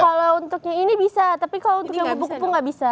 kalau untuknya ini bisa tapi kalau untuk yang kupu kupu gak bisa